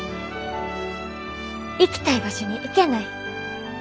行きたい場所に行けない。